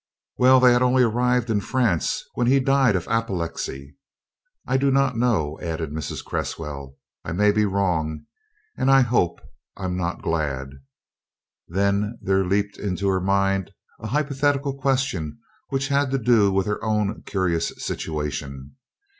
"Well, they had only arrived in France when he died of apoplexy. I do not know," added Mrs. Cresswell, "I may be wrong and I hope I'm not glad." Then there leapt to her mind a hypothetical question which had to do with her own curious situation.